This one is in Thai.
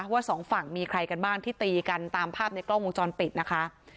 สองฝั่งมีใครกันบ้างที่ตีกันตามภาพในกล้องวงจรปิดนะคะ